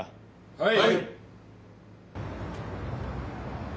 はい！